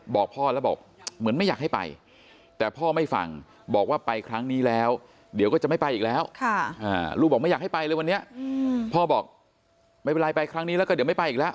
บอกพ่อแล้วบอกเหมือนไม่อยากให้ไปแต่พ่อไม่ฟังบอกว่าไปครั้งนี้แล้วเดี๋ยวก็จะไม่ไปอีกแล้ว